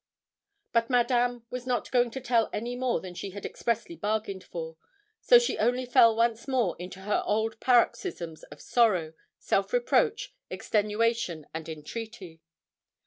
But Madame was not going to tell any more than she had expressly bargained for; so she only fell once more into her old paroxysm of sorrow, self reproach, extenuation, and entreaty.